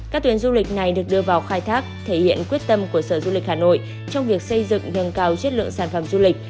các tuyến du lịch này được đưa vào khai thác thể hiện quyết tâm của sở du lịch hà nội trong việc xây dựng nâng cao chất lượng sản phẩm du lịch